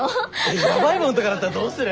やばいもんとかだったらどうする？